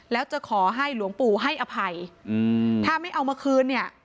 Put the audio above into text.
แล้วจะขอให้หลวงปู่ให้อภัยอืมถ้าไม่เอามาคืนเนี่ย